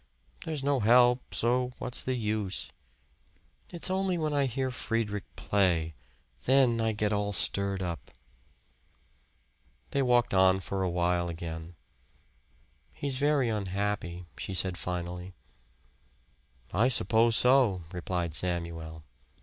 "There's no help, so what's the use. It's only when I hear Friedrich play then I get all stirred up." They walked on for a while again. "He's very unhappy," she said finally. "I suppose so," replied Samuel.